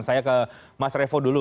saya ke mas revo dulu